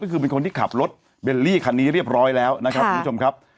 ก็คือเป็นคนที่ขับรถเบลลี่คันนี้เรียบร้อยแล้วนะครับคุณผู้ชมครับ